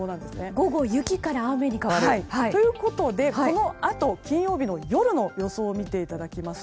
午後雪から雨に変わると。ということでこのあと金曜日の夜の予想です。